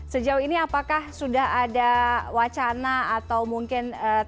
sejauh ini apakah sudah ada wacana atau mungkin